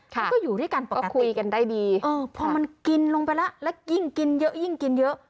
มันก็อยู่ด้วยกันปกติพอมันกินลงไปแล้วแล้วยิ่งกินเยอะ